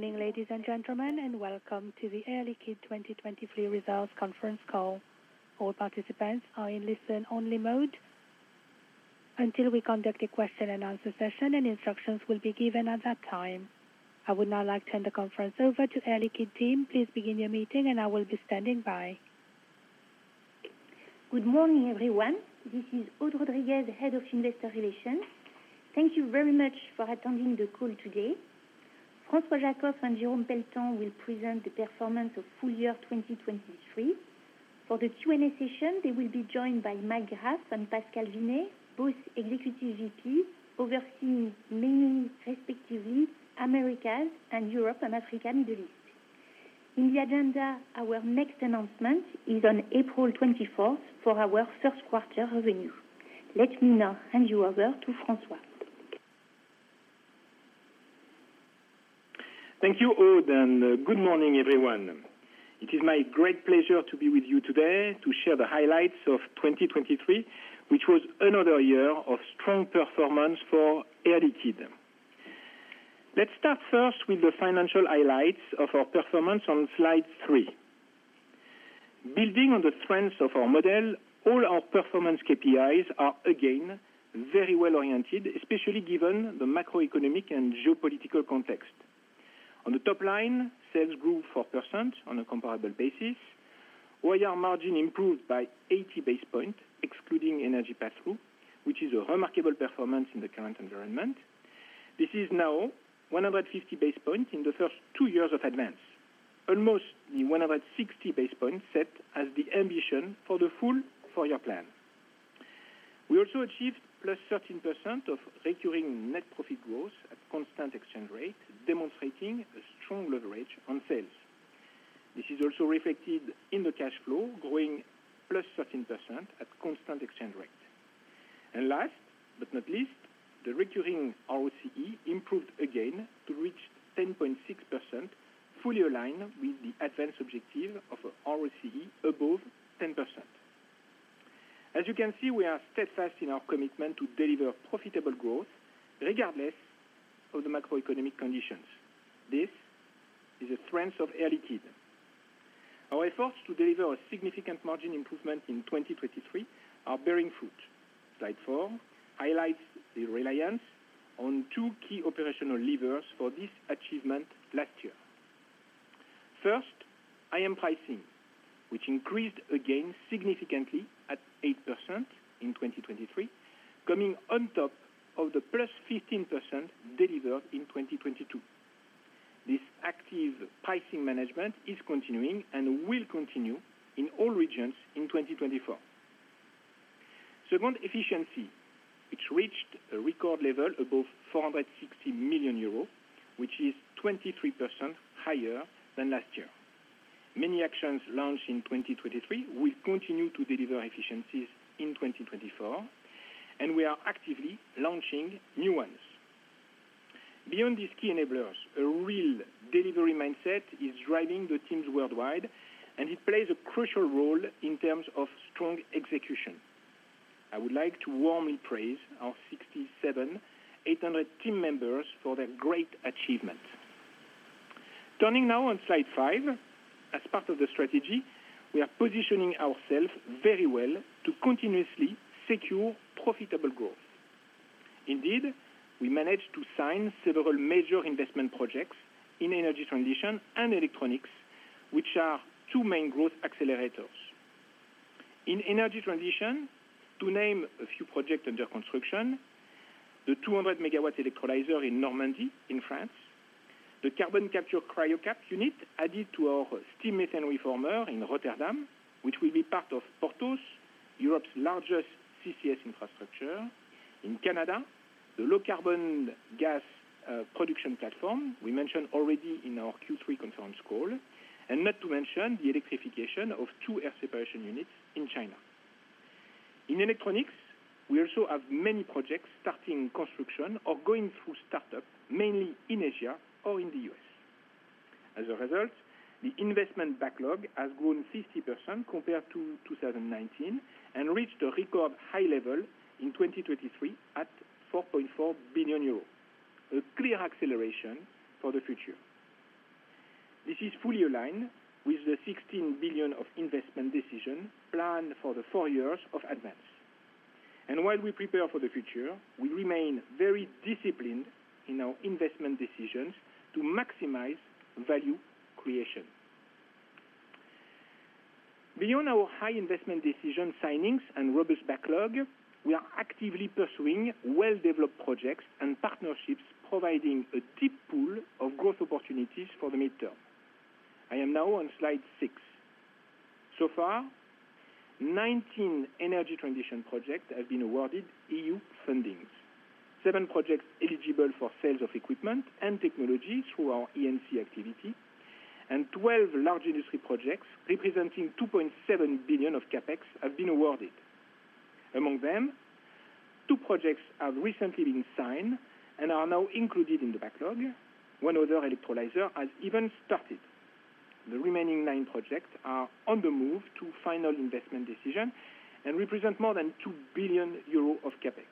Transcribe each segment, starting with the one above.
Good morning, ladies and gentlemen, and welcome to the Air Liquide 2023 results conference call. All participants are in listen-only mode until we conduct a question-and-answer session, and instructions will be given at that time. I would now like to hand the conference over to Air Liquide team. Please begin your meeting, and I will be standing by. Good morning, everyone. This is Aude Rodriguez, Head of Investor Relations. Thank you very much for attending the call today. François Jackow and Jérôme Pelletan will present the performance of full year 2023. For the Q&A session, they will be joined by Mike Graff and Pascal Vinet, both Executive VPs, overseeing mainly, respectively, Americas and Europe and Africa Middle East. In the agenda, our next announcement is on April 24 for our first quarter revenue. Let me now hand you over to François. Thank you, Aude, and good morning, everyone. It is my great pleasure to be with you today to share the highlights of 2023, which was another year of strong performance for Air Liquide. Let's start first with the financial highlights of our performance on slide three. Building on the strengths of our model, all our performance KPIs are again very well-oriented, especially given the macroeconomic and geopolitical context. On the top line, sales grew 4% on a comparable basis, while our margin improved by 80 basis points, excluding energy pass-through, which is a remarkable performance in the current environment. This is now 150 basis points in the first two years of ADVANCE, almost the 160 basis points set as the ambition for the full four-year plan. We also achieved +13% recurring net profit growth at constant exchange rate, demonstrating a strong leverage on sales. This is also reflected in the cash flow, growing +13% at constant exchange rate. And last but not least, the recurring ROCE improved again to reach 10.6%, fully aligned with the ADVANCE objective of ROCE above 10%. As you can see, we are steadfast in our commitment to deliver profitable growth regardless of the macroeconomic conditions. This is a strength of Air Liquide. Our efforts to deliver a significant margin improvement in 2023 are bearing fruit. Slide 4 highlights the reliance on two key operational levers for this achievement last year. First, IM pricing, which increased again significantly at 8% in 2023, coming on top of the +15% delivered in 2022. This active pricing management is continuing and will continue in all regions in 2024. Second, efficiency, which reached a record level above 460 million euros, which is 23% higher than last year. Many actions launched in 2023 will continue to deliver efficiencies in 2024, and we are actively launching new ones. Beyond these key enablers, a real delivery mindset is driving the teams worldwide, and it plays a crucial role in terms of strong execution. I would like to warmly praise our 67,800 team members for their great achievement. Turning now on slide 5. As part of the strategy, we are positioning ourselves very well to continuously secure profitable growth. Indeed, we managed to sign several major investment projects in energy transition and Electronics, which are two main growth accelerators. In energy transition, to name a few projects under construction, the 200-megawatt electrolyzer in Normandy, in France, the carbon capture Cryocap unit added to our steam methane reformer in Rotterdam, which will be part of Porthos, Europe's largest CCS infrastructure. In Canada, the low-carbon gas production platform we mentioned already in our Q3 conference call, and not to mention the electrification of two air separation units in China. In Electronics, we also have many projects starting construction or going through startup, mainly in Asia or in the U.S. As a result, the investment backlog has grown 50% compared to 2019 and reached a record high level in 2023 at 4.4 billion euros, a clear acceleration for the future. This is fully aligned with the 16 billion of investment decision planned for the four years of ADVANCE. While we prepare for the future, we remain very disciplined in our investment decisions to maximize value creation. Beyond our high investment decision signings and robust backlog, we are actively pursuing well-developed projects and partnerships, providing a deep pool of growth opportunities for the midterm. I am now on Slide 6. So far, 19 energy transition projects have been awarded EU funding, 7 projects eligible for sales of equipment and technology through our E&C activity, and 12 Large Industries projects, representing 2.7 billion of CapEx, have been awarded. Among them, two projects have recently been signed and are now included in the backlog. One other electrolyzer has even started.... The remaining nine projects are on the move to final investment decision and represent more than 2 billion euro of CapEx.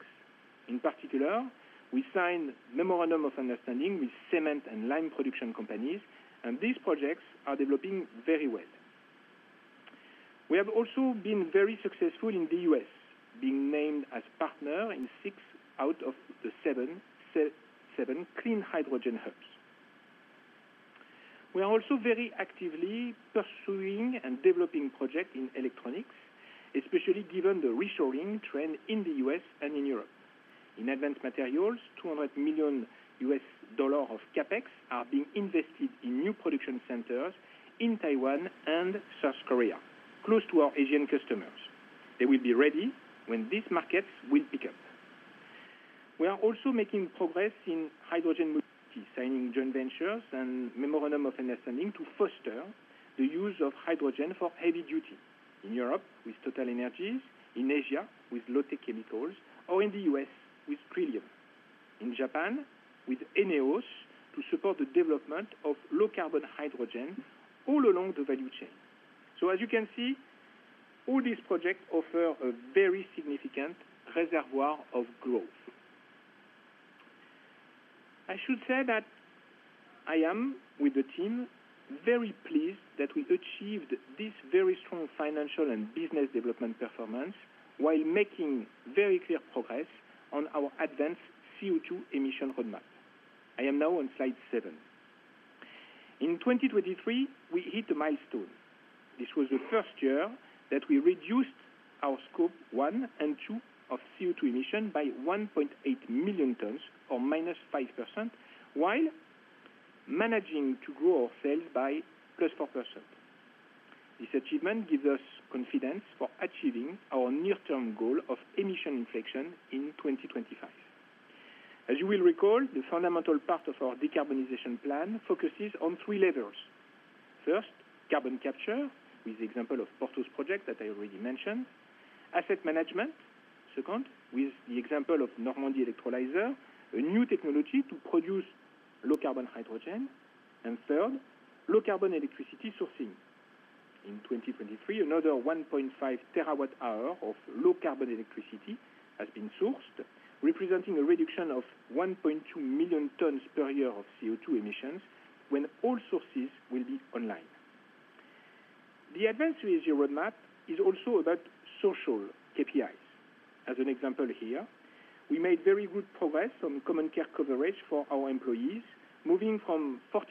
In particular, we signed Memorandum of Understanding with cement and lime production companies, and these projects are developing very well. We have also been very successful in the U.S., being named as partner in six out of the seven clean hydrogen hubs. We are also very actively pursuing and developing projects in Electronics, especially given the reshoring trend in the U.S. and in Europe. In ADVANCEd materials, $200 million of CapEx are being invested in new production centers in Taiwan and South Korea, close to our Asian customers. They will be ready when these markets will pick up. We are also making progress in hydrogen mobility, signing joint ventures and Memorandum of Understanding to foster the use of hydrogen for heavy duty. In Europe with TotalEnergies, in Asia with Lotte Chemical, or in the U.S. with Trillium. In Japan with ENEOS to support the development of low-carbon hydrogen all along the value chain. So as you can see, all these projects offer a very significant reservoir of growth. I should say that I am, with the team, very pleased that we achieved this very strong financial and business development performance while making very clear progress on our ADVANCEd CO2 emission roadmap. I am now on slide seven. In 2023, we hit a milestone. This was the first year that we reduced our Scope 1 and 2 CO2 emissions by 1.8 million tons, or -5%, while managing to grow our sales by +4%. This achievement gives us confidence for achieving our near-term goal of emission inflection in 2025. As you will recall, the fundamental part of our decarbonization plan focuses on three levels. First, carbon capture, with the example of Porthos project that I already mentioned. Asset management, second, with the example of Normandy electrolyzer, a new technology to produce low-carbon hydrogen. And third, low-carbon electricity sourcing. In 2023, another 1.5 TWh of low-carbon electricity has been sourced, representing a reduction of 1.2 million tons per year of CO2 emissions when all sources will be online. The ADVANCEd zero roadmap is also about social KPIs. As an example here, we made very good progress on health care coverage for our employees, moving from 40%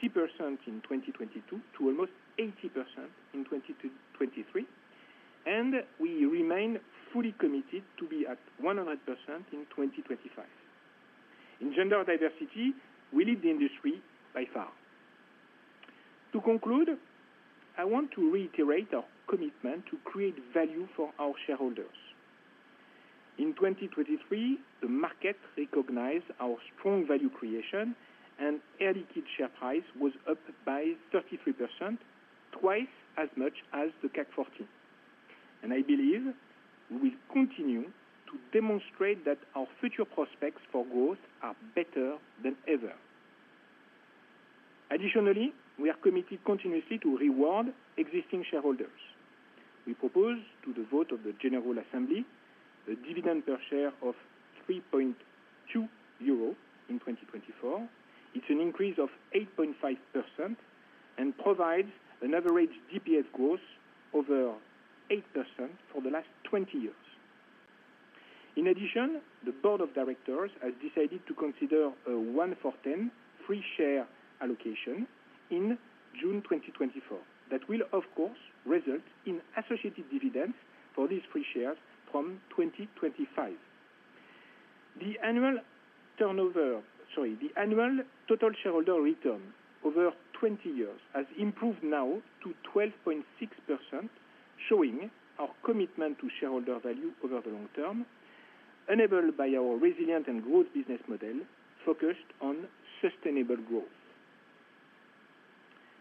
in 2022 to almost 80% in 2023, and we remain fully committed to be at 100% in 2025. In gender diversity, we lead the industry by far. To conclude, I want to reiterate our commitment to create value for our shareholders. In 2023, the market recognized our strong value creation, and Air Liquide share price was up by 33%, twice as much as the CAC 40. And I believe we will continue to demonstrate that our future prospects for growth are better than ever. Additionally, we are committed continuously to reward existing shareholders. We propose to the vote of the General Assembly, a dividend per share of 3.2 euro in 2024. It's an increase of 8.5% and provides an average DPS growth over 8% for the last 20 years. In addition, the board of directors has decided to consider a 1-for-10 free share allocation in June 2024. That will, of course, result in associated dividends for these free shares from 2025. The annual turnover... Sorry, the annual total shareholder return over 20 years has improved now to 12.6%, showing our commitment to shareholder value over the long term, enabled by our resilient and growth business model focused on sustainable growth.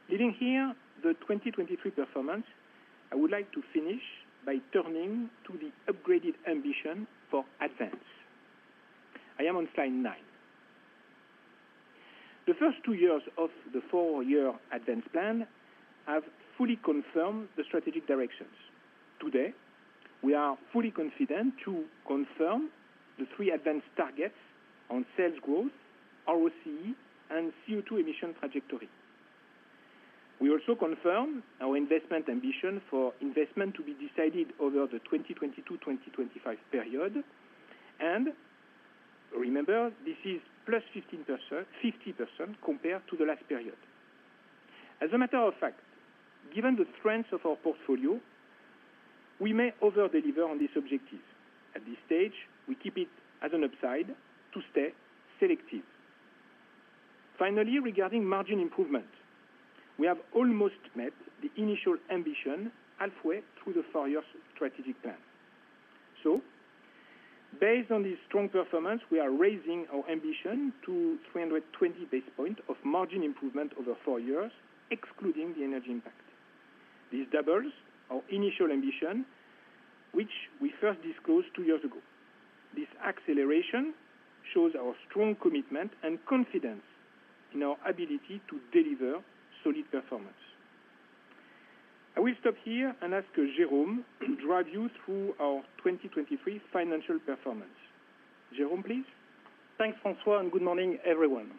Leaving here the 2023 performance, I would like to finish by turning to the upgraded ambition for ADVANCE. I am on slide 9. The first 2 years of the 4-year ADVANCE plan have fully confirmed the strategic directions. Today, we are fully confident to confirm the 3 ADVANCE targets on sales growth, ROCE, and CO2 emission trajectory. We also confirm our investment ambition for investment to be decided over the 2022-2025 period. And remember, this is +15%-50% compared to the last period. As a matter of fact, given the strength of our portfolio, we may over-deliver on this objective. At this stage, we keep it as an upside to stay selective. Finally, regarding margin improvement, we have almost met the initial ambition halfway through the four-year strategic plan. So based on this strong performance, we are raising our ambition to 320 basis points of margin improvement over four years, excluding the energy impact. This doubles our initial ambition, which we first disclosed two years ago. This acceleration shows our strong commitment and confidence in our ability to deliver solid performance. I will stop here and ask Jérôme to drive you through our 2023 financial performance. Jérôme, please. Thanks, François, and good morning, everyone.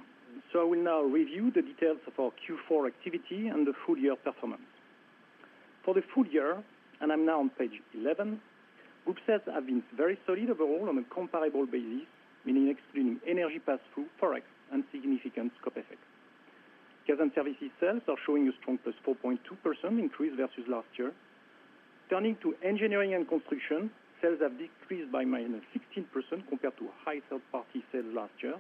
I will now review the details of our Q4 activity and the full year performance. For the full year, and I'm now on page 11, group sales have been very solid overall on a comparable basis, meaning excluding energy pass-through, Forex, and significant scope effects. Gas and services sales are showing a strong +4.2% increase versus last year. Turning to engineering and construction, sales have decreased by -16% compared to high third-party sales last year.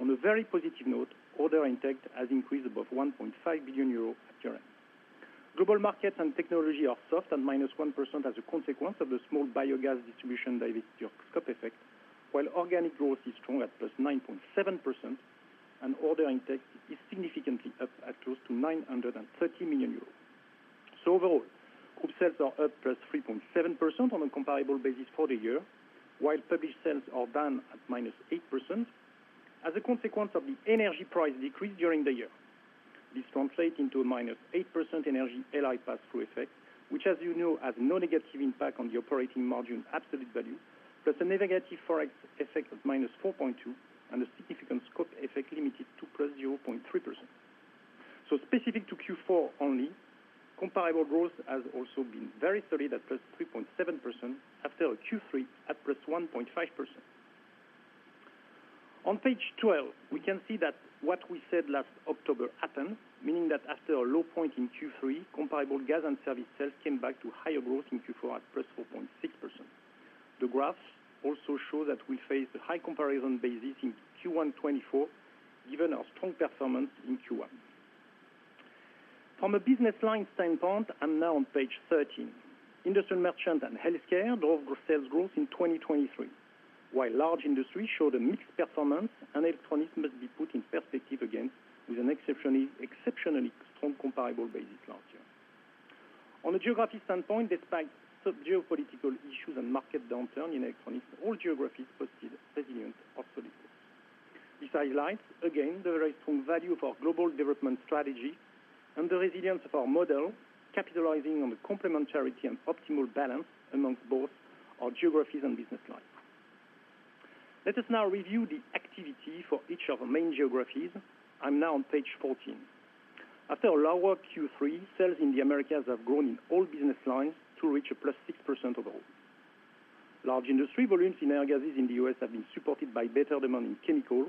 On a very positive note, order intake has increased above 1.5 billion euro at year-end. Global Markets & Technologies are soft and -1% as a consequence of the small biogas distribution division scope effect, while organic growth is strong at +9.7%, and order intake is significantly up at close to 930 million euros. So overall, group sales are up +3.7% on a comparable basis for the year, while published sales are down at -8% as a consequence of the energy price decrease during the year. This translates into a -8% energy LI pass-through effect, which, as you know, has no negative impact on the operating margin absolute value, plus a negative Forex effect of -4.2%, and a significant scope effect limited to +0.3%. So specific to Q4 only, comparable growth has also been very solid at +3.7%, after Q3 at +1.5%. On page 12, we can see that what we said last October happened, meaning that after a low point in Q3, comparable gas and service sales came back to higher growth in Q4 at +4.6%. The graphs also show that we face a high comparison basis in Q1 2024, given our strong performance in Q1. From a business line standpoint, I'm now on page 13. Industrial Merchant and Healthcare drove the sales growth in 2023, while Large Industries showed a mixed performance, and Electronics must be put in perspective again with an exceptionally, exceptionally strong comparable basis last year. On a geography standpoint, despite geopolitical issues and market downturn in Electronics, all geographies posted resilient or solid growth. This highlights, again, the very strong value of our global development strategy and the resilience of our model, capitalizing on the complementarity and optimal balance among both our geographies and business lines. Let us now review the activity for each of our main geographies. I'm now on page 14. After a lower Q3, sales in the Americas have grown in all business lines to reach a +6% overall. Large Industries volumes in air gases in the U.S. have been supported by better demand in chemicals,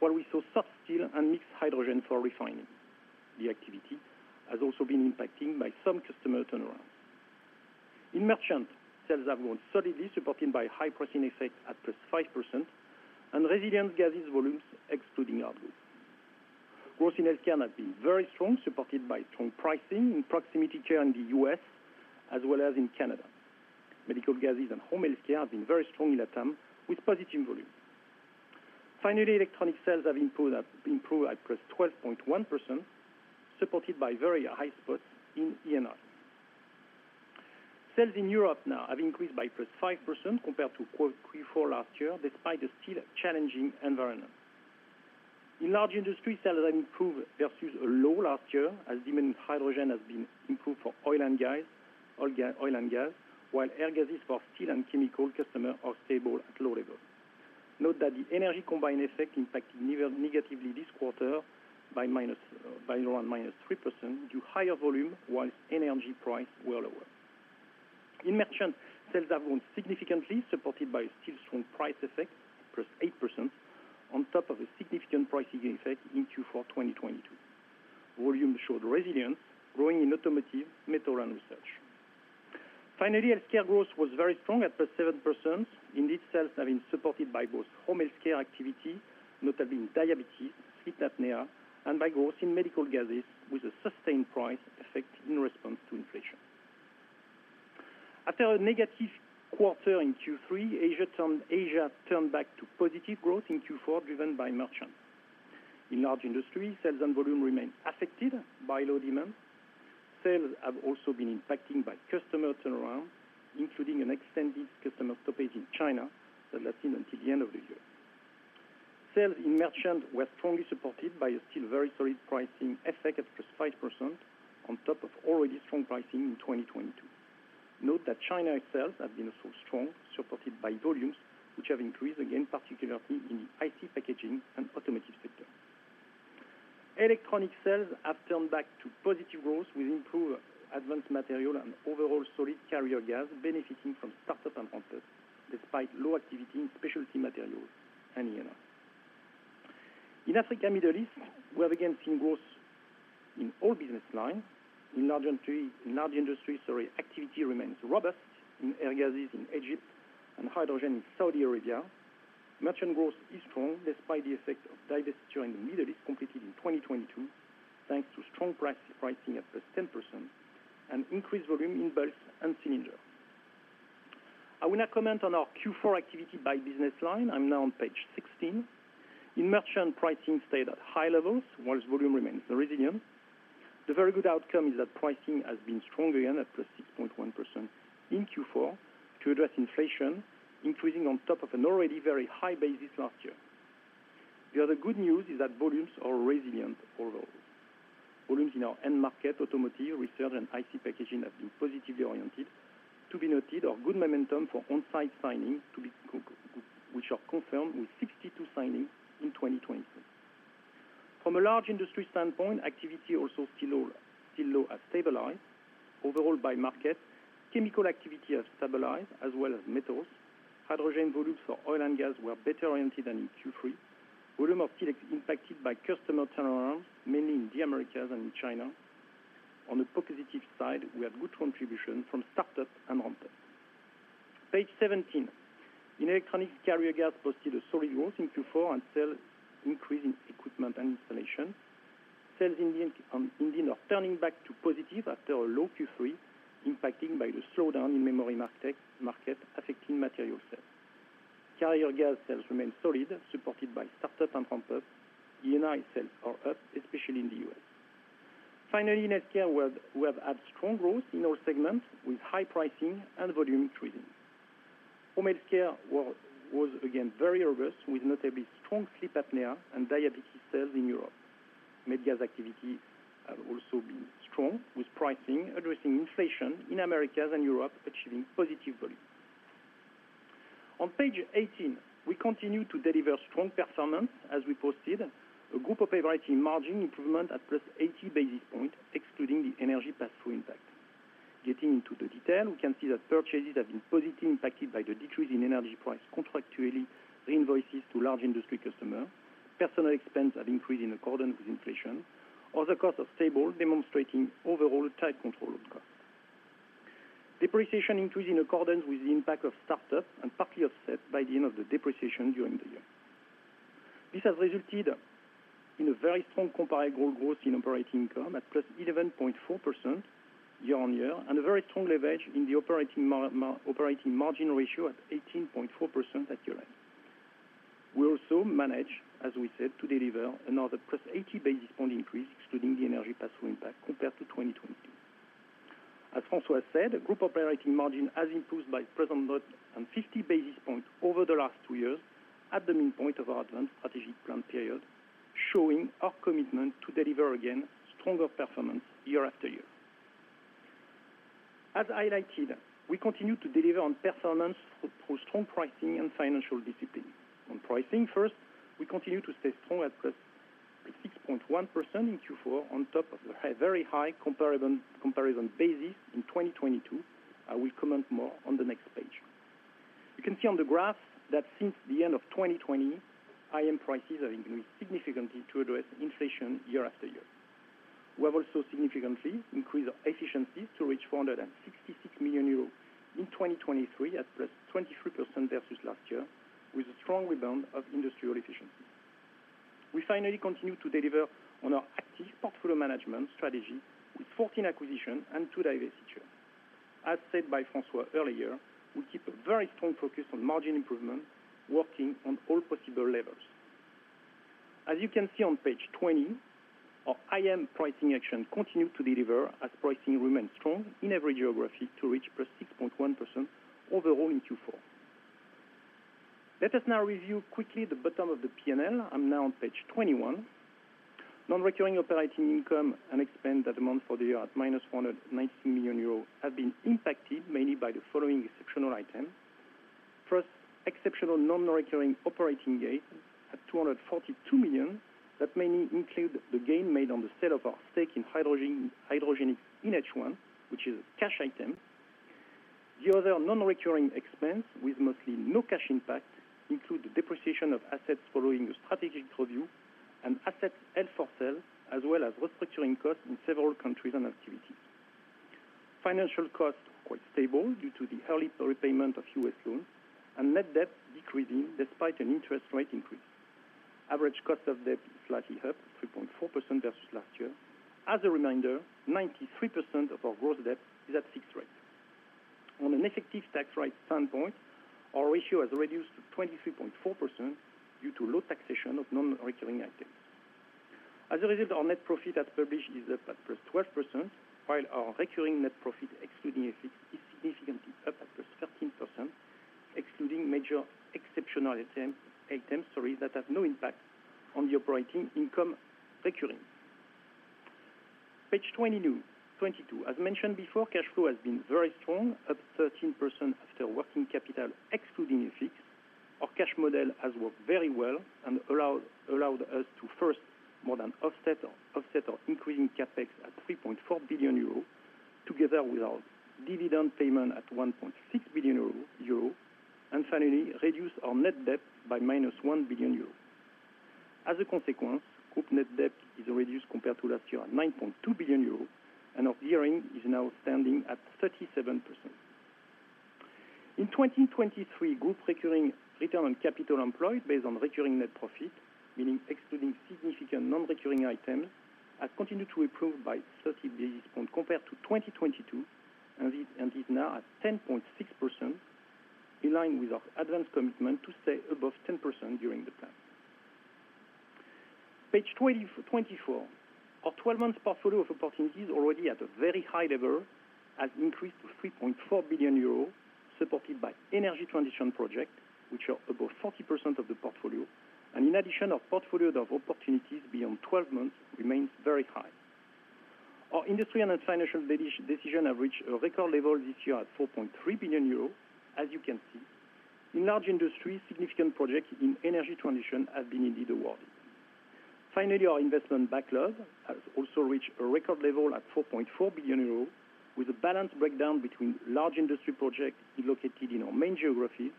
while we saw soft steel and mixed hydrogen for refining. The activity has also been impacted by some customer turnarounds. In Merchant, sales have grown solidly, supported by high pricing effect at +5% and resilient gases volumes excluding output. Growth in Healthcare has been very strong, supported by strong pricing in proximity care in the U.S. as well as in Canada. Medical gases and home healthcare have been very strong in the term, with positive volumes. Finally, electronic sales have improved at +12.1%, supported by very high spots in E&I. Sales in Europe now have increased by +5% compared to Q4 last year, despite a still challenging environment. In Large Industries, sales have improved versus a low last year, as demand in hydrogen has been improved for oil and gas, while air gases for steel and chemical customers are stable at low level. Note that the energy combined effect impacted negatively this quarter by around -3% due higher volume, while energy price were lower. In merchant, sales have grown significantly, supported by a still strong price effect, +8%, on top of a significant pricing effect in Q4 2022. Volume showed resilience, growing in automotive, metal, and research. Finally, healthcare growth was very strong at +7%, indeed, sales have been supported by both home healthcare activity, notably in diabetes, sleep apnea, and by growth in medical gases, with a sustained price effect in response to inflation. After a negative quarter in Q3, Asia turned, Asia turned back to positive growth in Q4, driven by merchant. In Large Industries, sales and volume remained affected by low demand. Sales have also been impacting by customer turnaround, including an extended customer stoppage in China that lasted until the end of the year. Sales in merchant were strongly supported by a still very solid pricing effect at +5% on top of already strong pricing in 2022. Note that China itself have been also strong, supported by volumes which have increased again, particularly in the IC packaging and automotive sector. Electronics sales have turned back to positive growth, with improved ADVANCE material and overall solid carrier gas benefiting from start-ups and ramp-ups, despite low activity in specialty materials and E&I. In Africa and Middle East, we have, again, seen growth in all business lines. In Large Industries, Large Industries, sorry, activity remains robust in air gases in Egypt and hydrogen in Saudi Arabia. Merchant growth is strong, despite the effect of divestiture in the Middle East completed in 2022, thanks to strong price pricing at +10% and increased volume in bulk and cylinder. I will now comment on our Q4 activity by business line. I'm now on page 16. In Merchant, pricing stayed at high levels, while volume remains resilient. The very good outcome is that pricing has been strong again, at +6.1% in Q4, to address inflation, increasing on top of an already very high basis last year. The other good news is that volumes are resilient overall. Volumes in our end market, automotive, research, and IC packaging, have been positively oriented. To be noted, our good momentum for on-site signings to be confirmed, which are confirmed with 62 signings in 2022. From a Large Industries standpoint, activity also still low as stabilized. Overall by market, chemical activity has stabilized as well as metals. Hydrogen volumes for oil and gas were better oriented than in Q3. Volume of steel impacted by customer turnarounds, mainly in the Americas and in China. On the positive side, we had good contribution from start-ups and ramp-ups. Page 17. In Electronics, Carrier Gas posted a solid growth in Q4 and sales increase in equipment and installation. Sales in India, India are turning back to positive after a low Q3, impacted by the slowdown in memory market, affecting material sales. Carrier Gas sales remain solid, supported by start-ups and ramp-ups. D&I sales are up, especially in the U.S. Finally, in Healthcare, we have had strong growth in all segments, with high pricing and volume increasing. Home Healthcare was again very robust, with notably strong sleep apnea and diabetes sales in Europe. MedGas activity has also been strong, with pricing addressing inflation in Americas and Europe, achieving positive volume. On page 18, we continue to deliver strong performance as we posted a group operating margin improvement at +80 basis points, excluding the energy pass-through impact. Getting into the detail, we can see that purchases have been positively impacted by the decrease in energy price, contractually reinvoiced to Large Industries customer. Personnel expenses have increased in accordance with inflation. Other costs are stable, demonstrating overall tight control of cost. Depreciation increased in accordance with the impact of start-ups and partly offset by the end of the depreciation during the year. This has resulted in a very strong compared growth in operating income at +11.4% year-on-year, and a very strong leverage in the operating margin ratio at 18.4% at year-end. We also managed, as we said, to deliver another +80 basis points increase, excluding the energy pass-through impact compared to 2020. As François said, group operating margin has improved by +150 basis points over the last two years at the midpoint of our ADVANCEd strategic plan period, showing our commitment to deliver again stronger performance year after year. As highlighted, we continue to deliver on performance through strong pricing and financial discipline. On pricing first, we continue to stay strong at +6.1% in Q4, on top of the high, very high comparison basis in 2022. I will comment more on the next page. You can see on the graph that since the end of 2020, IM prices have increased significantly to address inflation year after year. We have also significantly increased our efficiencies to reach 466 million euros in 2023 at +23% versus last year, with a strong rebound of industrial efficiencies. We finally continue to deliver on our active portfolio management strategy with 14 acquisitions and 2 divestitures. As said by François earlier, we keep a very strong focus on margin improvement, working on all possible levels. As you can see on page 20, our IM pricing action continued to deliver, as pricing remains strong in every geography to reach +6.1% overall in Q4. Let us now review quickly the bottom of the P&L. I'm now on page 21. Non-recurring operating income and expense that amount for the year at -190 million euros, have been impacted mainly by the following exceptional items. First, exceptional non-recurring operating gain at 242 million, that mainly include the gain made on the sale of our stake in Hydrogenics in H1, which is a cash item. The other non-recurring expense, with mostly no cash impact, include the depreciation of assets following a strategic review and assets held for sale, as well as restructuring costs in several countries and activities. Financial costs are quite stable due to the early repayment of U.S. loans, and net debt decreasing despite an interest rate increase. Average cost of debt is slightly up, 3.4% versus last year. As a reminder, 93% of our gross debt is at fixed rate. On an effective tax rate standpoint, our ratio has reduced to 23.4% due to low taxation of non-recurring items. As a result, our net profit as published is up at +12%, while our recurring net profit, excluding effects, is significantly up at +13%, excluding major exceptional item, items, sorry, that have no impact on the operating income recurring. Page 22. As mentioned before, cash flow has been very strong, up 13% Finally, our investment backlog has also reached a record level at 4.4 billion euros, with a balanced breakdown between Large Industries projects located in our main geographies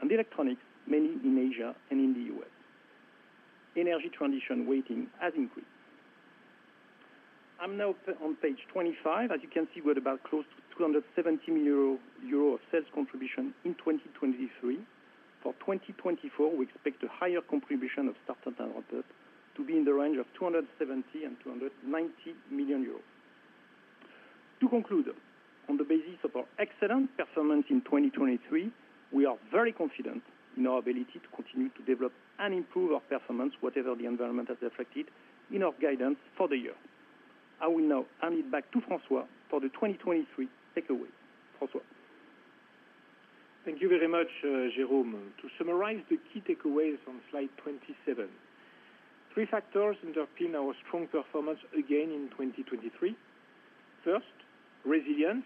and Electronics, mainly in Asia and in the U.S. Energy Transition weighting has increased. I'm now on page 25. As you can see, we're about close to 270 million euro of sales contribution in 2023. For 2024, we expect a higher contribution of starter than others, to be in the range of 270 million-290 million euros. To conclude, on the basis of our excellent performance in 2023, we are very confident in our ability to continue to develop and improve our performance, whatever the environment has affected in our guidance for the year. I will now hand it back to François for the 2023 takeaways. François? Thank you very much, Jérôme. To summarize the key takeaways on slide 27, three factors underpin our strong performance again in 2023. First, resilience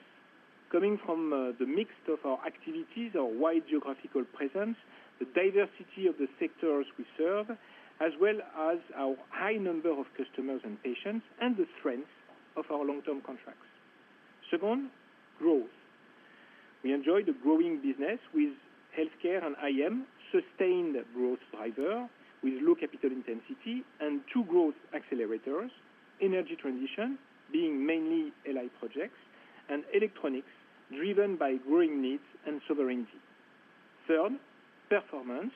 coming from the mix of our activities, our wide geographical presence, the diversity of the sectors we serve, as well as our high number of customers and patients, and the strength of our long-term contracts. Second, growth. We enjoy the growing business with healthcare and IM, sustained growth driver with low capital intensity and two growth accelerators, energy transition being mainly LI projects and Electronics, driven by growing needs and sovereignty. Third, performance.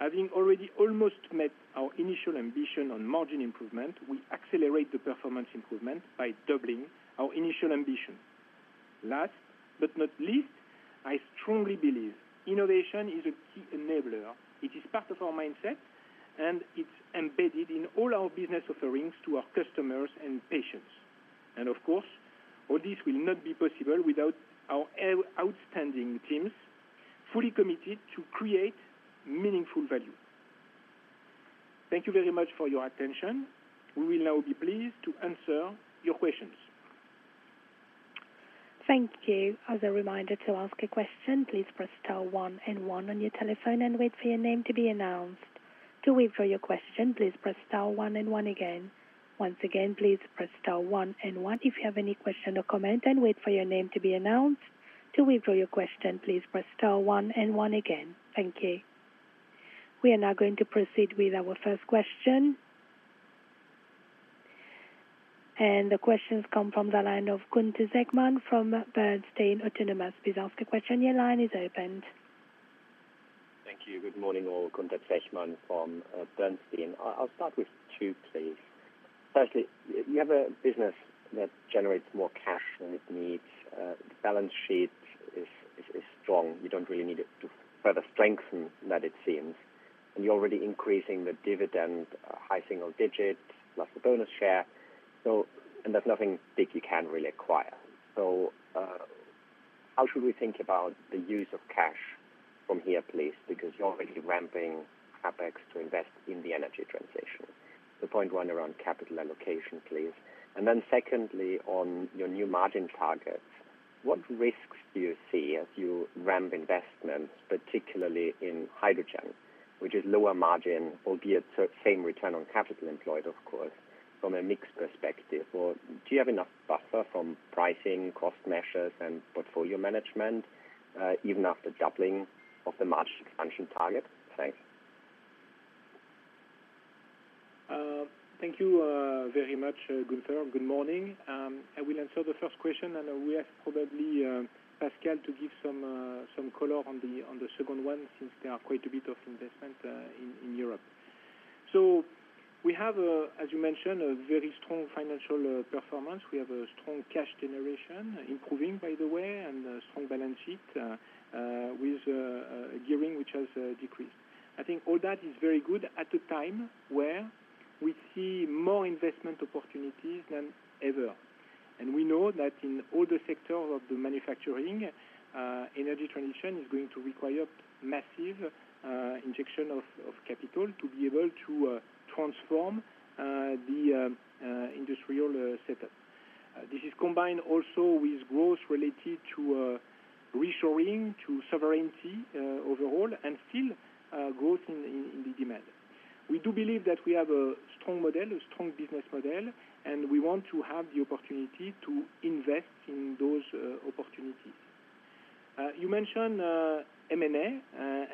Having already almost met our initial ambition on margin improvement, we accelerate the performance improvement by doubling our initial ambition. Last but not least, I strongly believe innovation is a key enabler. It is part of our mindset, and it's embedded in all our business offerings to our customers and patients. And of course, all this will not be possible without our outstanding teams, fully committed to create meaningful value. Thank you very much for your attention. We will now be pleased to answer your questions. Thank you. As a reminder, to ask a question, please press * 1 and 1 on your telephone and wait for your name to be announced. To withdraw your question, please press * 1 and 1 again. Once again, please press * 1 and 1 if you have any question or comment, and wait for your name to be announced. To withdraw your question, please press * 1 and 1 again. Thank you. We are now going to proceed with our first question. The questions come from the line of Gunther Zechmann from Bernstein Autonomous. Please ask a question. Your line is opened. Thank you. Good morning, all. Gunther Zechmann from Bernstein. I, I'll start with two, please. Firstly, you have a business that generates more cash than it needs. The balance sheet is strong. You don't really need it to further strengthen that it seems, and you're already increasing the dividend, high single digit plus the bonus share. So, there's nothing big you can really acquire. So, how should we think about the use of cash from here, please? Because you're already ramping CapEx to invest in the energy transition. So, point one around capital allocation, please. And then secondly, on your new margin targets, what risks do you see as you ramp investments, particularly in hydrogen, which is lower margin, albeit same return on capital employed, of course, from a mix perspective? Or do you have enough buffer from pricing, cost measures, and portfolio management, even after doubling of the margin expansion target? Thanks. Thank you, very much, Gunther. Good morning. I will answer the first question, and we ask probably, Pascal, to give some color on the second one, since there are quite a bit of investment in Europe. So, we have, as you mentioned, a very strong financial performance. We have a strong cash generation, improving, by the way, and a strong balance sheet with a gearing which has decreased. I think all that is very good at a time where we see more investment opportunities than ever. And we know that in all the sector of the manufacturing, energy transition is going to require massive injection of capital to be able to transform the industrial setup. This is combined also with growth related to reshoring, to sovereignty overall, and still growth in the demand. We do believe that we have a strong model, a strong business model, and we want to have the opportunity to invest in those opportunities. You mentioned M&A,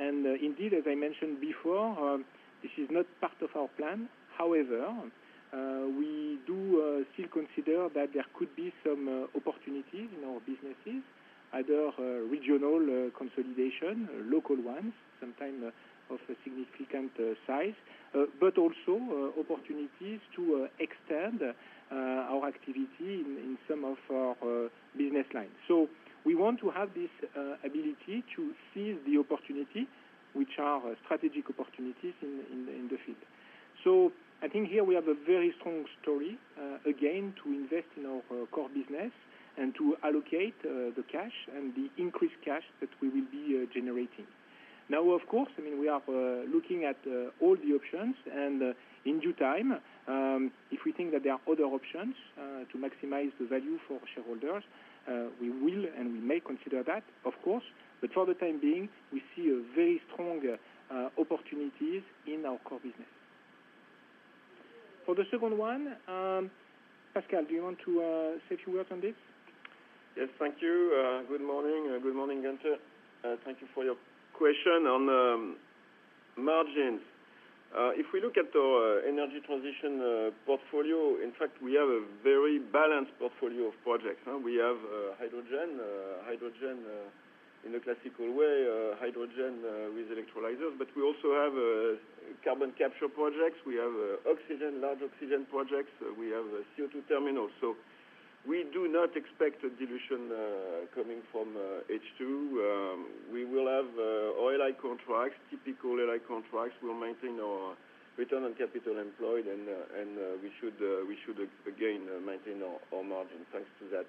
and indeed, as I mentioned before, this is not part of our plan. However, we do still consider that there could be some opportunities in our businesses, either regional consolidation, local ones, sometime of a significant size, but also opportunities to extend our activity in some of our business lines. So, we want to have this ability to seize the opportunity, which are strategic opportunities in the field. So, I think here we have a very strong story, again, to invest in our core business and to allocate, the cash and the increased cash that we will be, generating. Now, of course, I mean, we are, looking at, all the options, and, in due time, if we think that there are other options, to maximize the value for shareholders, we will and we may consider that, of course, but for the time being, we see a very strong, opportunities in our core business. For the second one, Pascal, do you want to, say a few words on this? Yes, thank you. Good morning. Good morning, Gunther. Thank you for your question on margins. If we look at our energy transition portfolio, in fact, we have a very balanced portfolio of projects. We have hydrogen, hydrogen in a classical way, hydrogen with electrolyzers, but we also have carbon capture projects. We have oxygen, large oxygen projects. We have a CO2 terminal. So, we do not expect a dilution coming from H2. We will have oil-like contracts. Typical oil-like contracts will maintain our return on capital employed, and we should again maintain our margin, thanks to that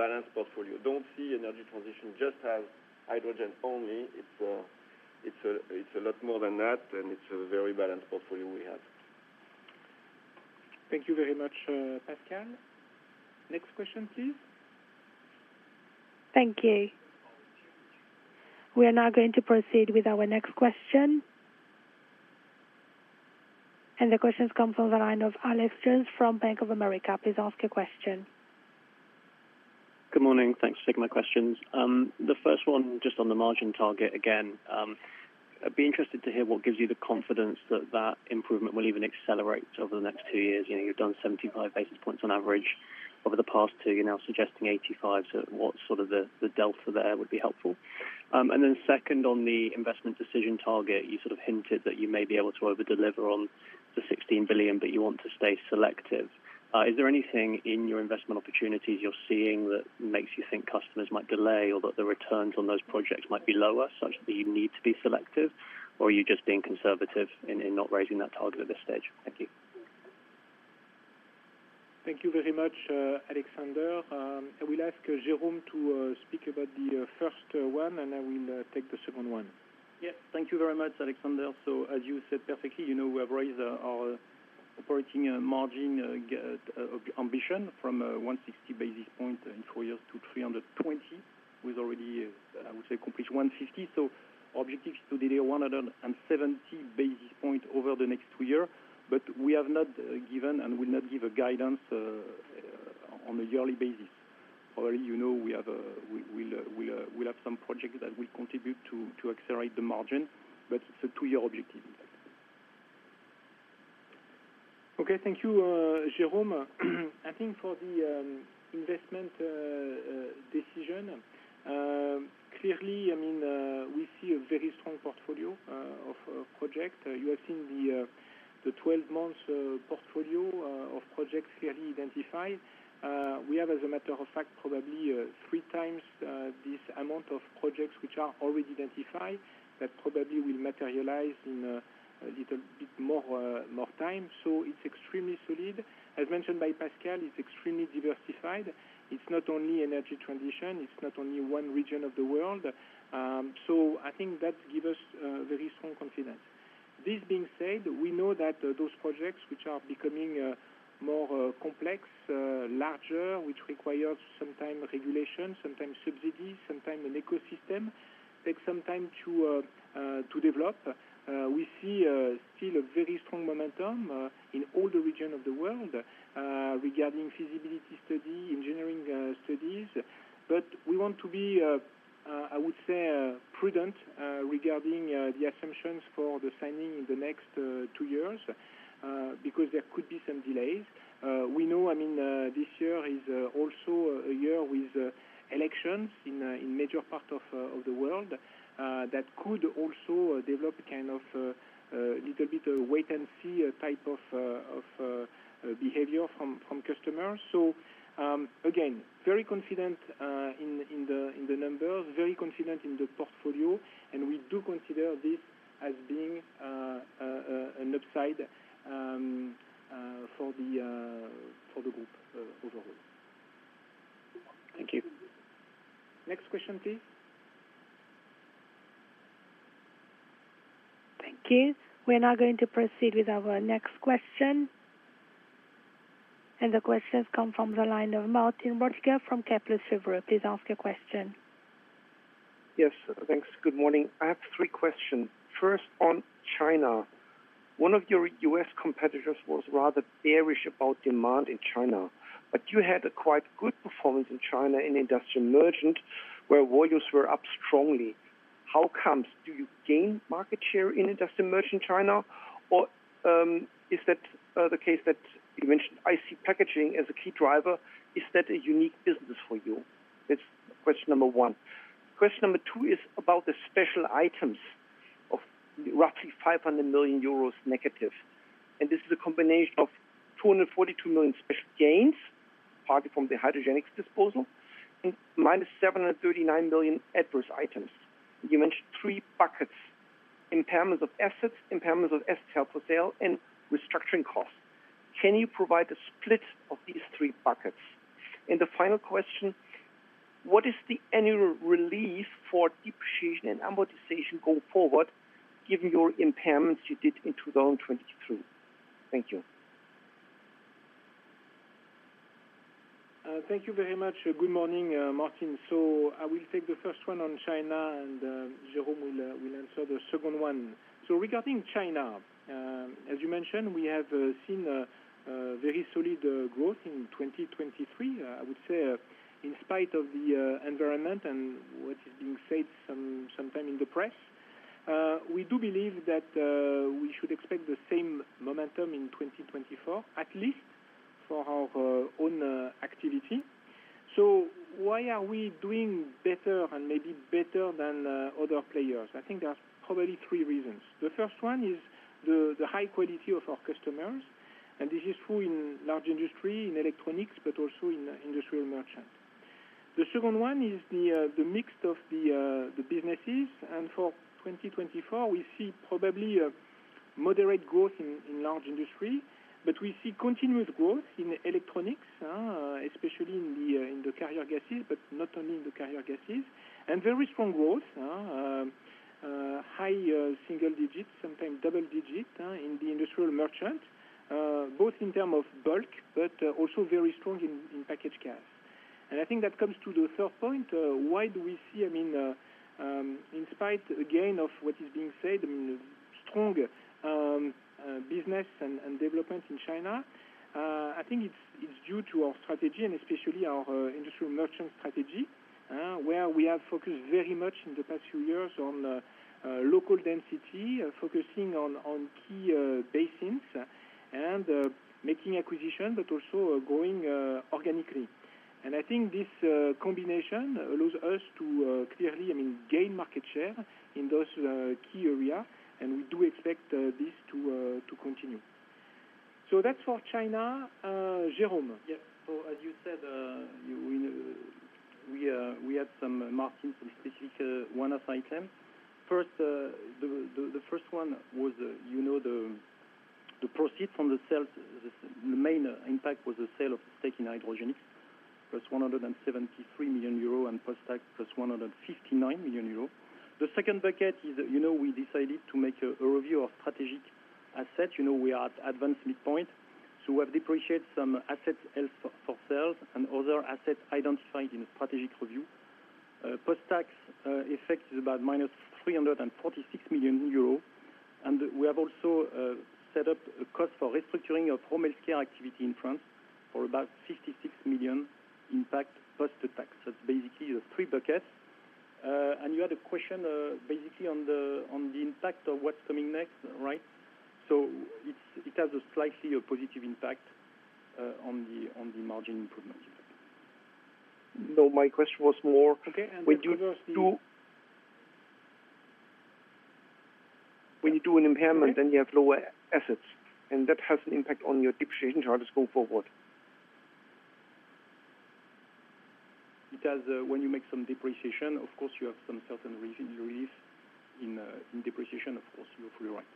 balanced portfolio. Don't see energy transition just as hydrogen only. It's a lot more than that, and it's a very balanced portfolio we have. Thank you very much, Pascal. Next question, please. Thank you. We are now going to proceed with our next question. The question comes from the line of Alex Jones from Bank of America. Please ask your question. Good morning. Thanks for taking my questions. The first one, just on the margin target again. I'd be interested to hear what gives you the confidence that that improvement will even accelerate over the next two years. You know, you've done 75 basis points on average over the past two, you're now suggesting 85. So, what's sort of the delta there would be helpful? And then second, on the investment decision target, you sort of hinted that you may be able to over-deliver on the 16 billion, but you want to stay selective. Is there anything in your investment opportunities you're seeing that makes you think customers might delay, or that the returns on those projects might be lower, such that you need to be selective? Or are you just being conservative in not raising that target at this stage? Thank you. Thank you very much, Alexander. I will ask Jérôme to speak about the first one, and I will take the second one. Yeah. Thank you very much, Alexander. So, as you said perfectly, you know, we have raised our operating margin ambition from 160 basis points in four years to 320. We've already, I would say, completed 150, so objectives to deliver 170 basis points over the next two years, but we have not given and will not give a guidance on a yearly basis. However, you know, we have, we, we'll have some projects that will contribute to accelerate the margin, but it's a two-year objective. Okay. Thank you, Jérôme. I think for the investment, decision, clearly, I mean, we see a very strong portfolio, of, projects. You have seen the, the 12-month portfolio of projects clearly identified. We have, as a matter of fact, probably, three times, this number of projects which are already identified, that probably will materialize in a, a little bit more, more time. So, it's extremely solid. As mentioned by Pascal, it's extremely diversified. It's not only energy transition, it's not only one region of the world. So, I think that give us, very strong confidence. This being said, we know that those projects which are becoming, more, complex, larger, which require sometimes regulation, sometimes subsidies, sometimes an ecosystem, takes some time to, to develop. We see still a very strong momentum in all the region of the world regarding feasibility study, engineering studies. But we want to be, I would say, prudent regarding the assumptions for the signing in the next two years because there could be some delays. We know, I mean, this year is also a year with elections in major part of the world that could also develop kind of a little bit, a wait and see type of behavior from customers. So, again, very confident in the numbers, very confident in the portfolio, and we do consider this as being an upside for the group overall. Thank you. Next question, please. Thank you. We're now going to proceed with our next question, and the question's come from the line of Martin Roediger from Kepler Cheuvreux. Please ask your question. Yes, thanks. Good morning. I have three questions. First, on China-... One of your U.S. competitors was rather bearish about demand in China, but you had a quite good performance in China, in Industrial Merchant, where volumes were up strongly. How comes? Do you gain market share in Industrial Merchant China, or is that, the case that you mentioned, IC packaging as a key driver, is that a unique business for you? That's question number one. Question number two is about the special items of roughly 500 million euros negative, and this is a combination of 242 million special gains, partly from the Hydrogenics disposal, and minus 739 million adverse items. You mentioned three buckets, impairments of assets, impairments of assets held for sale, and restructuring costs. Can you provide a split of these three buckets? The final question, what is the annual relief for depreciation and amortization going forward, given your impairments you did in 2023? Thank you. Thank you very much. Good morning, Martin. So I will take the first one on China, and Jérôme will answer the second one. So regarding China, as you mentioned, we have seen a very solid growth in 2023. I would say, in spite of the environment and what is being said sometime in the press, we do believe that we should expect the same momentum in 2024, at least for our own activity. So why are we doing better and maybe better than other players? I think there are probably three reasons. The first one is the high quality of our customers, and this is true in Large Industries, in Electronics, but also in Industrial Merchant. The second one is the mix of the businesses, and for 2024, we see probably a moderate growth in Large Industries, but we see continuous growth in Electronics, especially in the carrier gases, but not only in the carrier gases, and very strong growth, high single digits, sometimes double digits, in the Industrial Merchant, both in term of bulk, but also very strong in packaged gas. And I think that comes to the third point, why do we see, I mean, in spite, again, of what is being said, I mean, strong business and development in China. I think it's due to our strategy and especially our industrial merchant strategy, where we have focused very much in the past few years on local density, focusing on key basins and making acquisition, but also growing organically. And I think this combination allows us to clearly, I mean, gain market share in those key areas, and we do expect this to continue. So that's for China. Jérôme? Yeah. So as you said, we had some, Martin, some specific one-off item. First, the first one was, you know, the proceeds from the sales. The main impact was the sale of stake in Hydrogenics, plus 173 million euro and post-tax, plus 159 million euro. The second bucket is, you know, we decided to make a review of strategic assets. You know, we are at ADVANCEd midpoint, so we have depreciated some assets held for sale and other assets identified in a strategic review. Post-tax effect is about -346 million euros, and we have also set up a cost for restructuring of home healthcare activity in France for about 56 million impact post-tax. That's basically the three buckets. And you had a question basically on the impact of what's coming next, right? So it has a slightly positive impact on the margin improvement effect. No, my question was more- Okay, and- When you do an impairment- Right... then you have lower assets, and that has an impact on your depreciation charges going forward. It does. When you make some depreciation, of course, you have some certain reason relief in depreciation. Of course, you are fully right.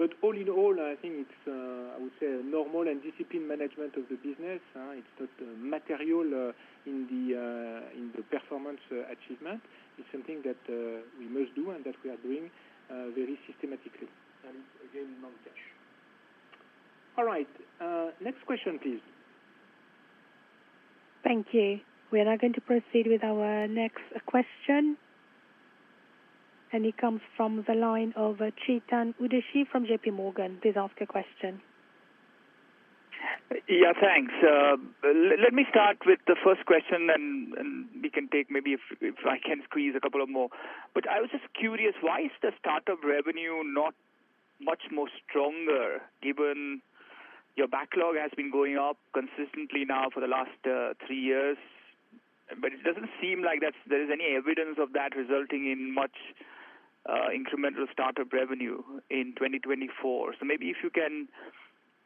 But all in all, I think it's, I would say a normal and disciplined management of the business. It's not material in the performance achievement. It's something that we must do and that we are doing very systematically. Again, no cash. All right. Next question, please. Thank you. We are now going to proceed with our next question, and it comes from the line of Chetan Udeshi from J.P. Morgan. Please ask your question. Yeah, thanks. Let me start with the first question, and we can take maybe if I can squeeze a couple of more. But I was just curious, why is the startup revenue not much more stronger, given your backlog has been going up consistently now for the last 3 years? But it doesn't seem like that's, there is any evidence of that resulting in much incremental startup revenue in 2024. So maybe if you can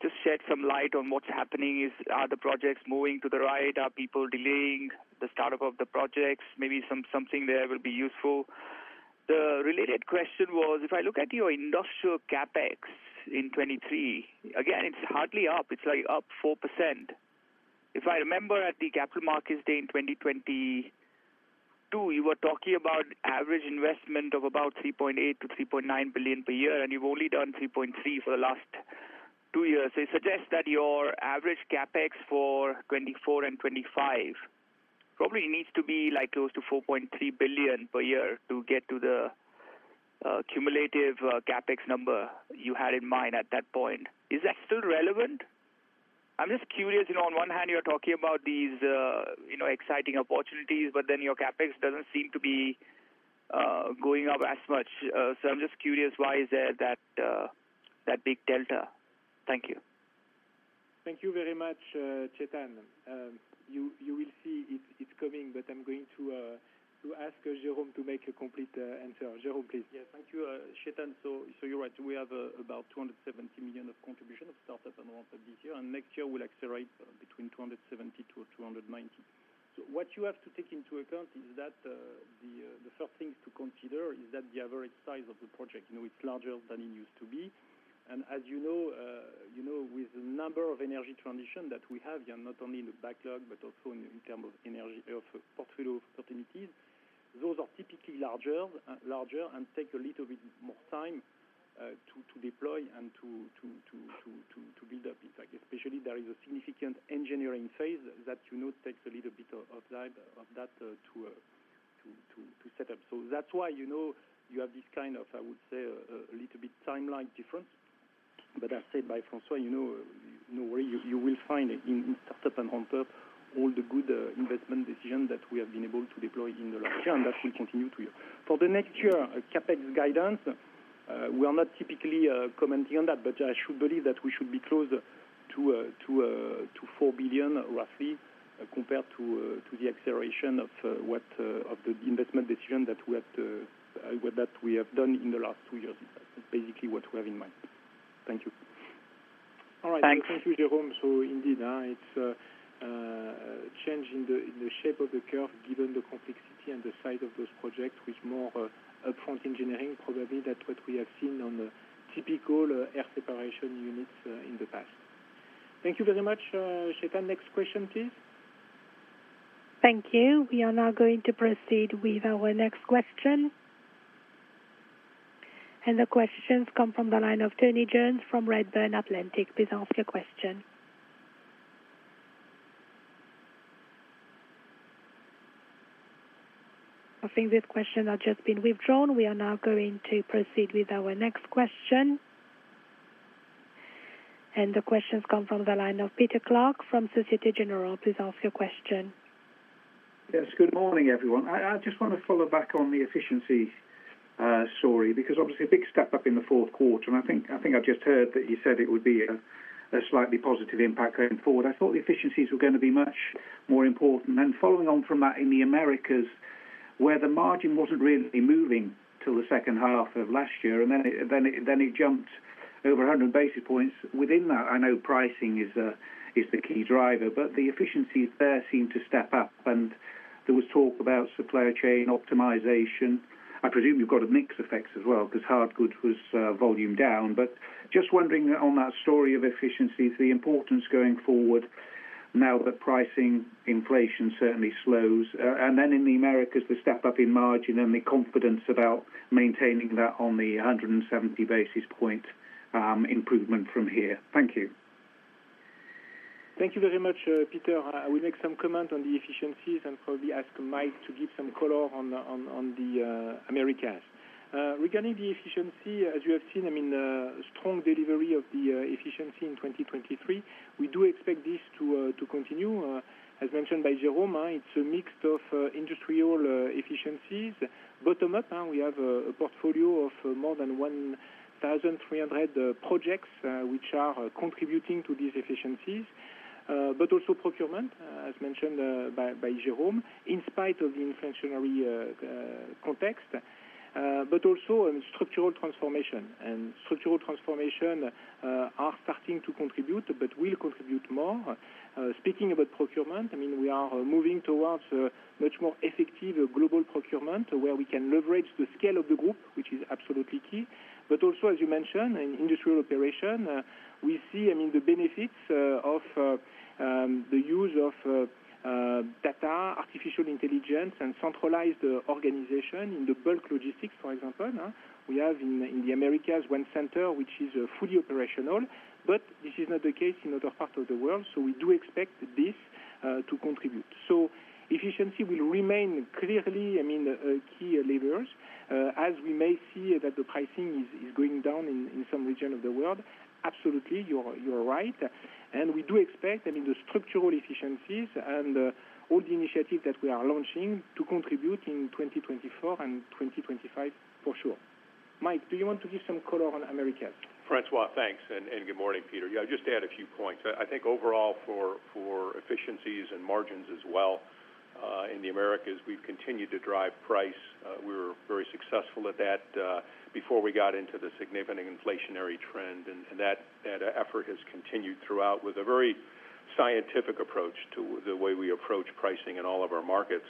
just shed some light on what's happening. Are the projects moving to the right? Are people delaying the startup of the projects? Maybe something there will be useful. The related question was, if I look at your industrial CapEx in 2023, again, it's hardly up. It's, like, up 4%. If I remember at the Capital Markets Day in 2022, you were talking about average investment of about 3.8 billion-3.9 billion per year, and you've only done 3.3 billion for the last two years, it suggests that your average CapEx for 2024 and 2025 probably needs to be like close to 4.3 billion per year to get to the, cumulative, CapEx number you had in mind at that point. Is that still relevant? I'm just curious, you know, on one hand, you're talking about these, you know, exciting opportunities, but then your CapEx doesn't seem to be, going up as much. So I'm just curious, why is there that, that big delta? Thank you. Thank you very much, Chetan. You will see it's coming, but I'm going to ask Jérôme to make a complete answer. Jérôme, please. Yeah, thank you, Chetan. So, so you're right, we have about 270 million of contribution of startup and ramp this year, and next year we'll accelerate between 270 million-290 million. So what you have to take into account is that the first thing to consider is that the average size of the project, you know, it's larger than it used to be. And as you know, you know, with the number of energy transition that we have, yeah, not only in the backlog but also in term of energy, of portfolio of opportunities, those are typically larger, larger and take a little bit more time to build up. In fact, especially there is a significant engineering phase that, you know, takes a little bit of time, of that, to set up. So that's why, you know, you have this kind of, I would say, a little bit timeline difference. But as said by François, you know, no worry, you will find in startup and on top all the good investment decision that we have been able to deploy in the last year, and that will continue to you. For the next year, CapEx guidance, we are not typically commenting on that, but I should believe that we should be close to four billion roughly, compared to the acceleration of what of the investment decision that we have to, well, that we have done in the last two years. That's basically what we have in mind. Thank you. Thanks. All right. Thank you, Jérôme. So indeed, it's a change in the shape of the curve, given the complexity and the size of those projects with more upfront engineering, probably that what we have seen on the typical air separation units in the past. Thank you very much, Chetan. Next question, please. Thank you. We are now going to proceed with our next question. And the questions come from the line of Tony Jones from Redburn Atlantic. Please ask your question. I think this question has just been withdrawn. We are now going to proceed with our next question. And the questions come from the line of Peter Clark from Societe Generale. Please ask your question. Yes, good morning, everyone. I, I just want to follow back on the efficiency story, because obviously a big step up in the fourth quarter, and I think, I think I just heard that you said it would be a, a slightly positive impact going forward. I thought the efficiencies were going to be much more important. And then following on from that, in the Americas, where the margin wasn't really moving till the second half of last year, and then it, then it, then it jumped over 100 basis points. Within that, I know pricing is the key driver, but the efficiencies there seemed to step up and there was talk about supplier chain optimization. I presume you've got a mix effect as well, because Hardgoods was volume down. But just wondering on that story of efficiencies, the importance going forward now that pricing inflation certainly slows. And then in the Americas, the step up in margin and the confidence about maintaining that on the 170 basis point improvement from here. Thank you. Thank you very much, Peter. I will make some comment on the efficiencies and probably ask Mike to give some color on the Americas. Regarding the efficiency, as you have seen, I mean, strong delivery of the efficiency in 2023. We do expect this to continue. As mentioned by Jérôme, it's a mix of industrial efficiencies. Bottom up, we have a portfolio of more than 1,300 projects which are contributing to these efficiencies, but also procurement, as mentioned by Jérôme, in spite of the inflationary context, but also a structural transformation. And structural transformation are starting to contribute, but will contribute more. Speaking about procurement, I mean, we are moving towards a much more effective global procurement, where we can leverage the scale of the group, which is absolutely key. But also, as you mentioned, in industrial operation, we see, I mean, the benefits of the use of data, artificial intelligence, and centralized organization in the bulk logistics, for example, now. We have in the Americas, one center, which is fully operational, but this is not the case in other parts of the world, so we do expect this to contribute. So efficiency will remain clearly, I mean, a key leverage as we may see that the pricing is going down in some region of the world. Absolutely, you're right. We do expect, I mean, the structural efficiencies and all the initiatives that we are launching to contribute in 2024 and 2025 for sure. Mike, do you want to give some color on Americas? François, thanks, and good morning, Peter. Yeah, I'll just add a few points. I think overall for efficiencies and margins as well, in the Americas, we've continued to drive price. We were very successful at that before we got into the significant inflationary trend, and that effort has continued throughout with a very scientific approach to the way we approach pricing in all of our markets.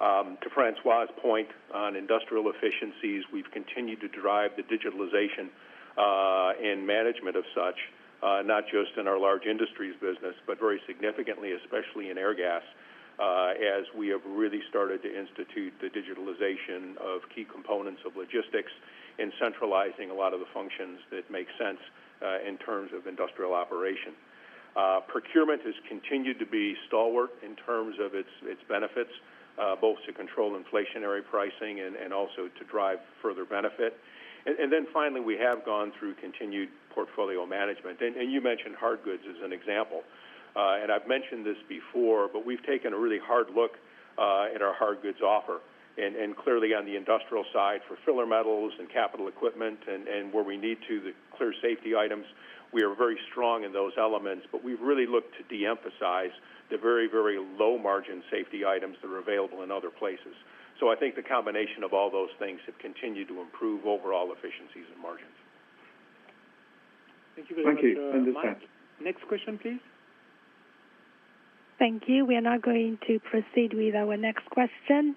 To François's point on industrial efficiencies, we've continued to drive the digitalization and management of such, not just in our large industries business, but very significantly, especially in Airgas... as we have really started to institute the digitalization of key components of logistics and centralizing a lot of the functions that make sense in terms of industrial operation. Procurement has continued to be stalwart in terms of its benefits, both to control inflationary pricing and also to drive further benefit. And then finally, we have gone through continued portfolio management. And you mentioned Hardgoods as an example. And I've mentioned this before, but we've taken a really hard look at our Hardgoods offer. And clearly on the industrial side, for filler metals and capital equipment and where we need to, the clear safety items, we are very strong in those elements. But we've really looked to de-emphasize the very, very low margin safety items that are available in other places. So, I think the combination of all those things have continued to improve overall efficiencies and margins. Thank you very much, Mike. Thank you. Understood. Next question, please. Thank you. We are now going to proceed with our next question.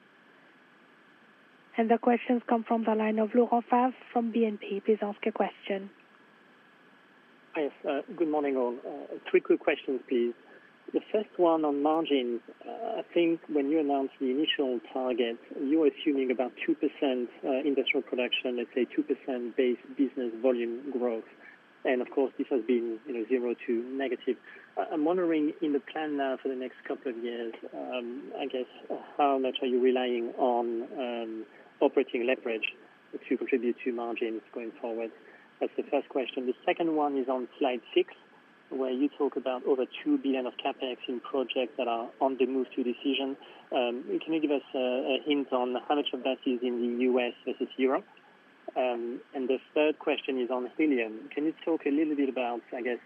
The question's come from the line of Laurent Favre from BNP. Please ask your question. Yes, good morning, all. Three quick questions, please. The first one on margins. I think when you announced the initial target, you were assuming about 2%, industrial production, let's say 2% base business volume growth. And of course, this has been, you know, zero to negative. I'm wondering in the plan now for the next couple of years, I guess, how much are you relying on, operating leverage to contribute to margins going forward? That's the first question. The second one is on Slide 6, where you talk about over 2 billion of CapEx in projects that are on the move to decision. Can you give us a hint on how much of that is in the U.S. versus Europe? And the third question is on helium. Can you talk a little bit about, I guess,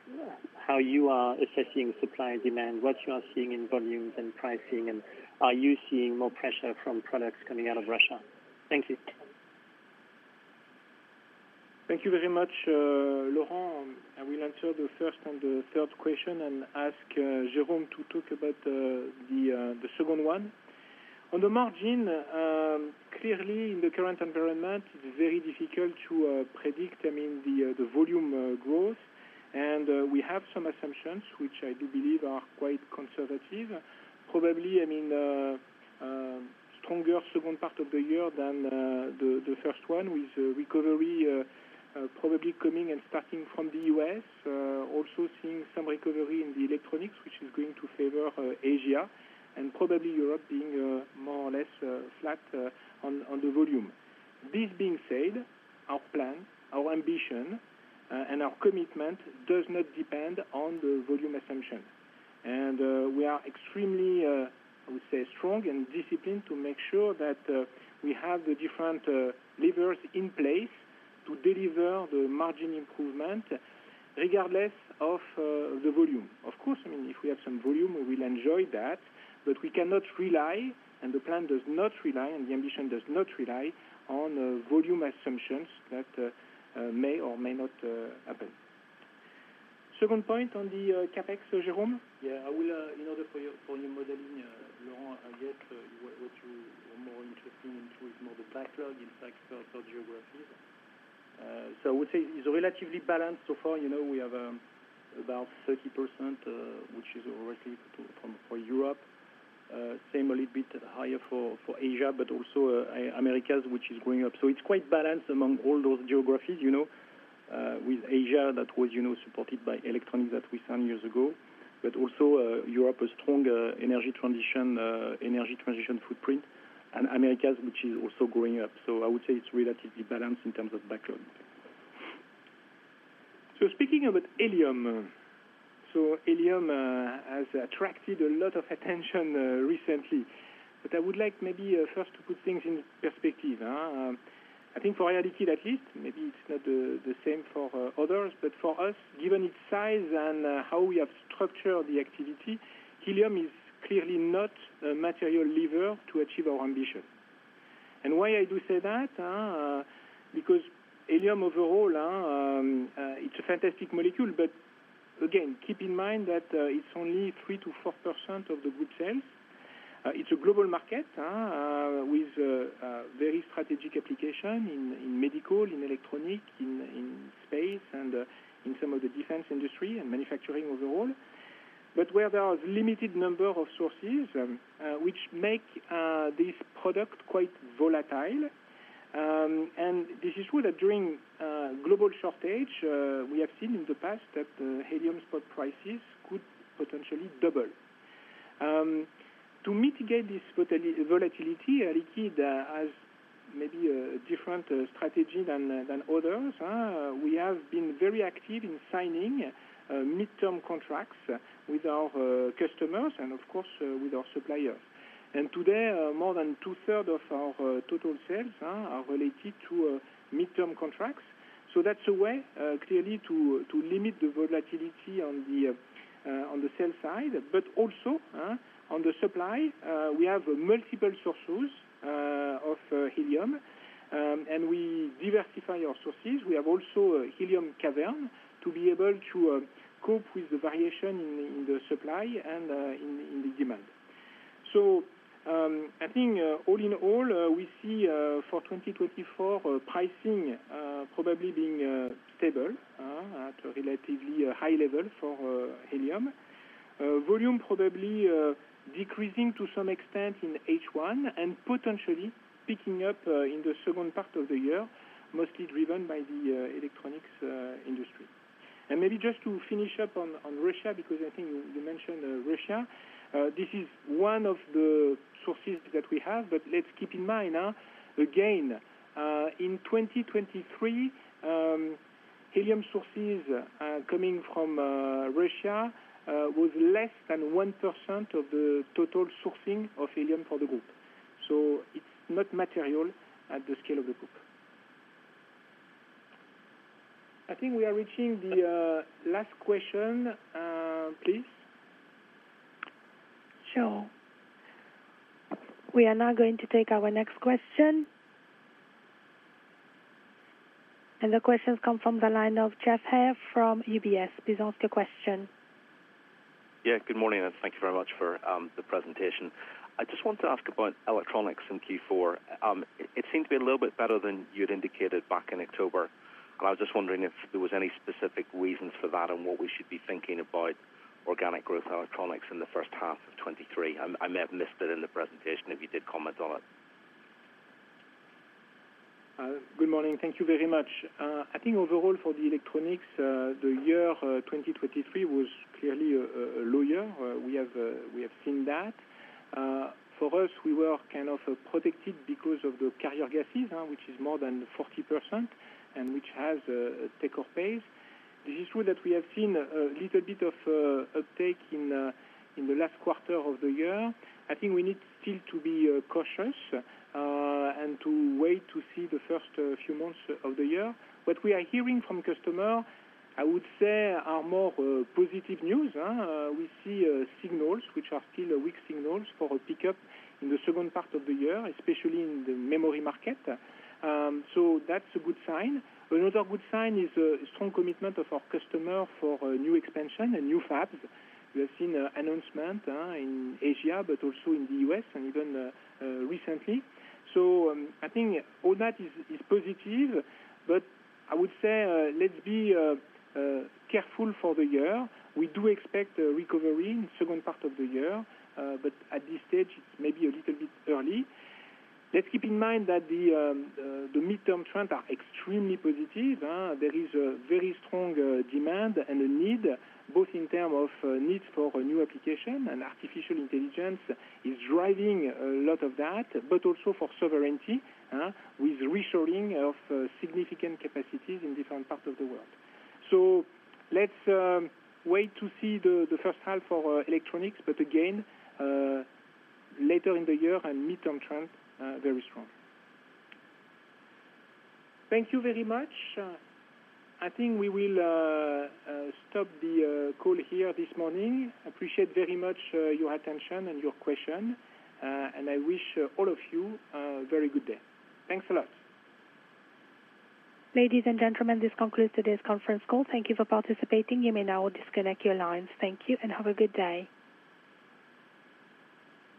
how you are assessing supply and demand, what you are seeing in volumes and pricing, and are you seeing more pressure from products coming out of Russia? Thank you. Thank you very much, Laurent. I will answer the first and the third question and ask Jérôme to talk about the second one. On the margin, clearly, in the current environment, it's very difficult to predict, I mean, the volume growth. And we have some assumptions, which I do believe are quite conservative. Probably, I mean, stronger second part of the year than the first one, with recovery probably coming and starting from the US. Also seeing some recovery in the Electronics, which is going to favor Asia, and probably Europe being more or less flat on the volume. This being said, our plan, our ambition, and our commitment does not depend on the volume assumption. We are extremely, I would say, strong and disciplined to make sure that we have the different levers in place to deliver the margin improvement regardless of the volume. Of course, I mean, if we have some volume, we will enjoy that, but we cannot rely, and the plan does not rely, and the ambition does not rely on volume assumptions that may or may not happen. Second point on the CapEx. So, Jérôme? Yeah, I will, in order for your, for your modeling, Laurent, I get what you are more interested in to is more the backlog, in fact, per, per geography. So I would say it's relatively balanced so far. You know, we have about 30%, which is already to, from, for Europe. Same, a little bit higher for Asia, but also Americas, which is going up. So it's quite balanced among all those geographies, you know, with Asia that was, you know, supported by Electronics that we signed years ago, but also Europe, a strong energy transition energy transition footprint, and Americas, which is also growing up. So I would say it's relatively balanced in terms of backlog. So speaking about helium, so helium has attracted a lot of attention recently. But I would like maybe first to put things in perspective. I think for Air Liquide at least, maybe it's not the same for others, but for us, given its size and how we have structured the activity, helium is clearly not a material lever to achieve our ambition. Why I do say that, because helium overall, it's a fantastic molecule, but again, keep in mind that, it's only 3%-4% of good sales. it's a global market, with a very strategic application in medical, in Electronics, in space, and in some of the defense industry and manufacturing overall. But where there are limited number of sources, which make this product quite volatile, and this is true that during global shortage, we have seen in the past that helium spot prices could potentially double. To mitigate this volatility, Air Liquide has maybe a different strategy than others, huh? We have been very active in signing midterm contracts with our customers and of course, with our suppliers. Today, more than two-thirds of our total sales are related to midterm contracts. So that's a way clearly to limit the volatility on the sales side, but also on the supply, we have multiple sources of helium, and we diversify our sources. We have also a helium cavern to be able to cope with the variation in the supply and in the demand. So I think, all in all, we see for 2024, pricing probably being stable at a relatively high level for helium. Volume probably decreasing to some extent in H1 and potentially picking up in the second part of the year, mostly driven by the Electronics industry. And maybe just to finish up on, on Russia, because I think you mentioned, Russia. This is one of the sources that we have, but let's keep in mind, again, in 2023, helium sources, coming from, Russia, was less than 1% of the total sourcing of helium for the group. So it's not material at the scale of the group. I think we are reaching the, last question, please. Sure. We are now going to take our next question. The question comes from the line of Geoff Haire from UBS. Please ask your question. Yeah, good morning, and thank you very much for the presentation. I just want to ask about Electronics in Q4. It seemed to be a little bit better than you had indicated back in October, and I was just wondering if there was any specific reasons for that and what we should be thinking about organic growth Electronics in the first half of 2023. I may have missed it in the presentation if you did comment on it. Good morning. Thank you very much. I think overall for the Electronics, the year 2023 was clearly a low year. We have seen that. For us, we were kind of protected because of the carrier gases, which is more than 40% and which has a take-or-pay. This is true that we have seen a little bit of uptake in the last quarter of the year. I think we need still to be cautious and to wait to see the first few months of the year. What we are hearing from customer, I would say, are more positive news. We see signals which are still weak signals for a pickup in the second part of the year, especially in the memory market. So that's a good sign. Another good sign is a strong commitment of our customer for a new expansion and new fabs. We have seen announcement in Asia, but also in the U.S. and even recently. So I think all that is positive, but I would say, let's be careful for the year. We do expect a recovery in second part of the year, but at this stage, it's maybe a little bit early. Let's keep in mind that the midterm trends are extremely positive, there is a very strong demand and a need, both in terms of needs for a new application, and artificial intelligence is driving a lot of that, but also for sovereignty with reshoring of significant capacities in different parts of the world. So let's wait to see the first half for Electronics, but again, later in the year and midterm trends very strong. Thank you very much. I think we will stop the call here this morning. Appreciate very much your attention and your question, and I wish all of you a very good day. Thanks a lot. Ladies and gentlemen, this concludes today's conference call. Thank you for participating. You may now disconnect your lines. Thank you and have a good day.